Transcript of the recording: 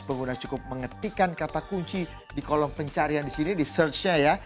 pengguna cukup mengetikkan kata kunci di kolom pencarian di sini di search nya ya